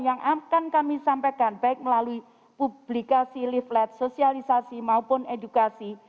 yang akan kami sampaikan baik melalui publikasi leaflet sosialisasi maupun edukasi